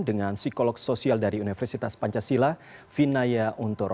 dengan psikolog sosial dari universitas pancasila vinaya untoro